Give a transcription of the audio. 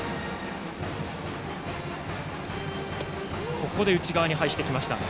ここで内側に配してきました。